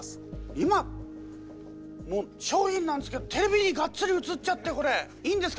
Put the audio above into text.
今商品なんですけどテレビにがっつり映っちゃってこれいいんですか？